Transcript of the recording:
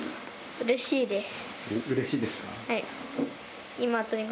うれしいですか。